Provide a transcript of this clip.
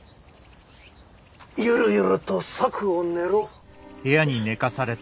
ゆるゆると策を練ろう。